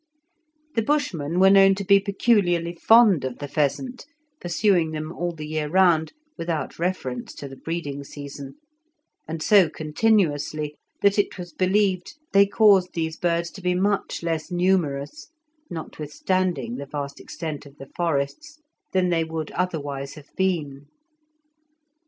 The Bushmen were known to be peculiarly fond of the pheasant, pursuing them all the year round without reference to the breeding season, and so continuously, that it was believed they caused these birds to be much less numerous, notwithstanding the vast extent of the forests, than they would otherwise have been.